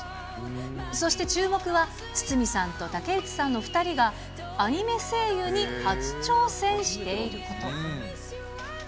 そして注目は、堤さんと竹内さんの２人が、アニメ声優に初挑戦していること。